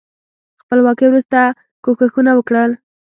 خپلواکۍ وروسته کوښښونه وکړل.